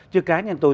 chứ cá nhân tôi